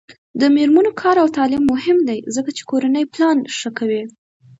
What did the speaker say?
د میرمنو کار او تعلیم مهم دی ځکه چې کورنۍ پلان ښه کوي.